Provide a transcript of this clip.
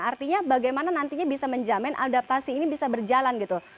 artinya bagaimana nantinya bisa menjamin adaptasi ini bisa berjalan gitu